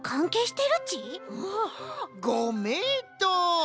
ごめいとう！